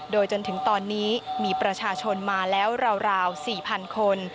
โดยจนถึงตอนนี้มีประชาชนมาแล้วราว๔๐๐๐คน